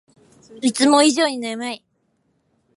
いつも以上に眠い